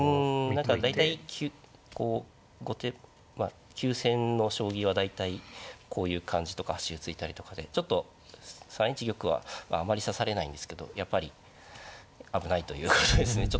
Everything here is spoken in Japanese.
何か大体こう後手まあ急戦の将棋は大体こういう感じとか端歩突いたりとかでちょっと３一玉はあまり指されないんですけどやっぱり危ないということですねちょっと。